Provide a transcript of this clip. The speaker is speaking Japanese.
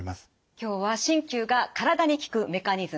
今日は鍼灸が体に効くメカニズム。